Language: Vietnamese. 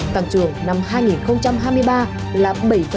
tăng trưởng năm hai nghìn hai mươi ba là bảy